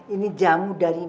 ini jamu dari